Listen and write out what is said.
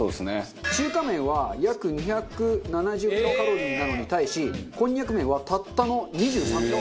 中華麺は約２７０キロカロリーなのに対しこんにゃく麺はたったの２３キロカロリー。